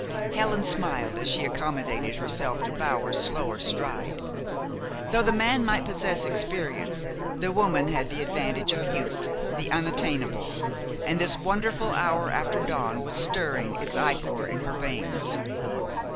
Helen smiled as she accommodated herself to Bower's slower stride. Though the man might possess experience, the woman had the advantage of youth, the unattainable, and this wonderful hour after dawn was stirring its ichor in her veins.